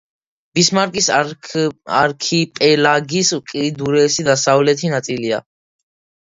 ბისმარკის არქიპელაგის უკიდურესი დასავლეთი ნაწილია.